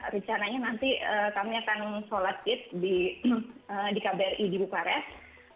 rencananya nanti kami akan sholat id di kbri di bukares